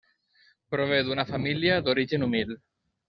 Prové d'una família d'origen humil.